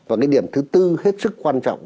và cái điểm thứ tư hết sức quan trọng